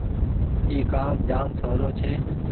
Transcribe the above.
اي ڪآم جآم سولو ڇي۔